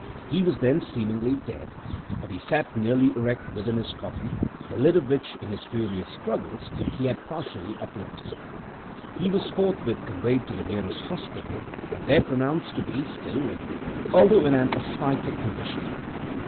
He was then seemingly dead; but he sat nearly erect within his coffin, the lid of which, in his furious struggles, he had partially uplifted. He was forthwith conveyed to the nearest hospital, and there pronounced to be still living, although in an asphytic condition.